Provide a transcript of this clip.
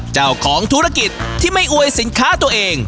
เจ้าของธุรกิจที่ไม่อวยสินค้าตัวเอง